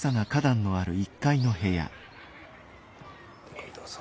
はいどうぞ。